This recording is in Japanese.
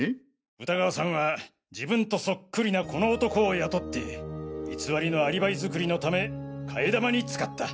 歌川さんは自分とそっくりなこの男を雇って偽りのアリバイ作りのため替え玉に使った。